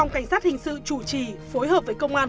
phòng cảnh sát hình sự chủ trì phối hợp với công an